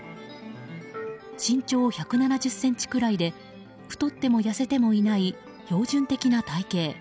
身長１７０ｃｍくらいで太っても痩せてもいない標準的な体形。